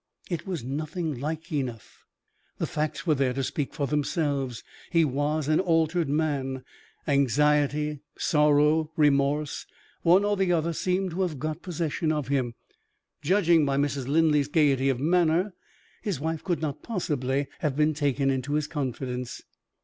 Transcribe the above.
It was nothing like enough. The facts were there to speak for themselves: he was an altered man; anxiety, sorrow, remorse one or the other seemed to have got possession of him. Judging by Mrs. Linley's gayety of manner, his wife could not possibly have been taken into his confidence.